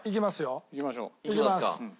いきますか。